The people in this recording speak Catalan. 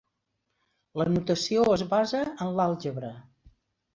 L'anotació es basa en l'àlgebra.